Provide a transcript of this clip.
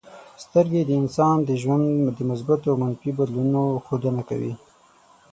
سترګې د انسان د ژوند د مثبتو او منفي بدلونونو ښودنه کوي.